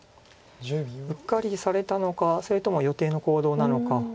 うっかりされたのかそれとも予定の行動なのか。